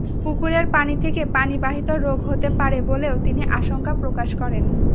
পুকুরের পানি থেকে পানিবাহিত রোগ হতে পারে বলেও তিনি আশঙ্কা প্রকাশ করেন।